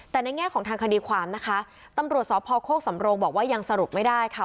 แต่ในแง่ของทางคดีความนะคะตำรวจสพโคกสำโรงบอกว่ายังสรุปไม่ได้ค่ะ